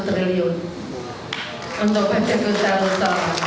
triliun untuk kota kota rota